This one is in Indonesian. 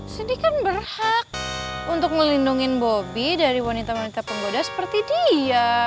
sedih kan berhak untuk melindungi bobi dari wanita wanita penggoda seperti dia